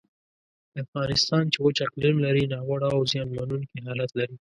افغانستان چې وچ اقلیم لري، ناوړه او زیانمنونکی حالت لري.